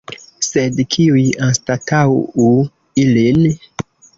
Sed kiuj anstataŭu ilin?